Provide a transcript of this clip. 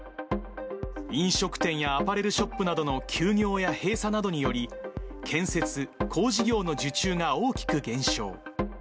飲食店やアパレルショップなどの休業や閉鎖などにより、建設・工事業の受注が大きく減少。